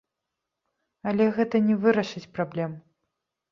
Але гэта не вырашыць праблем.